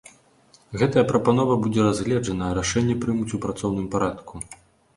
Гэтая прапанова будзе разгледжана, а рашэнне прымуць у працоўным парадку.